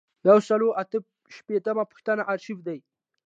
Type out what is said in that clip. یو سل او اته شپیتمه پوښتنه آرشیف دی.